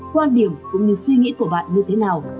quan điểm cũng như suy nghĩ của bạn như thế nào